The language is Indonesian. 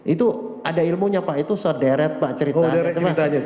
itu ada ilmunya pak itu sederet pak ceritanya